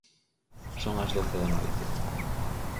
Son as doce da noite